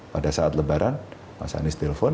pada saat lebaran mas anies telpon